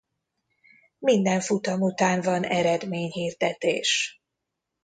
Minden futam után van eredményhirdetés.